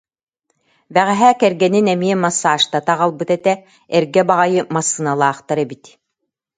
Бэҕэһээ кэргэнин эмиэ массажтата аҕалбыт этэ, эргэ баҕайы массыыналаахтар эбит